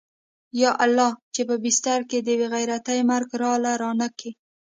يا الله چې په بستر کې د بې غيرتۍ مرگ راله رانه کې.